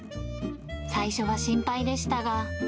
最初は心配でしたが。